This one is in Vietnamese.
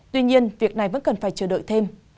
tuy nhiên việc này vẫn cần phải chờ đợi thêm